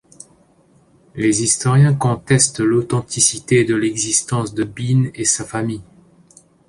Les historiens contestent l'authenticité de l'existence de Beane et sa famille.